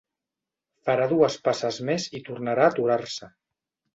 Farà dues passes més i tornarà a aturar-se.